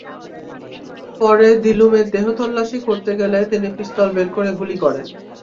পরে দিলুমের দেহ তল্লাশি করতে গেলে তিনি পিস্তল বের করে গুলি করেন।